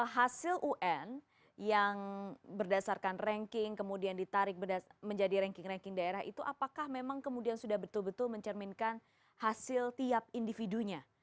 hasil un yang berdasarkan ranking kemudian ditarik menjadi ranking ranking daerah itu apakah memang kemudian sudah betul betul mencerminkan hasil tiap individunya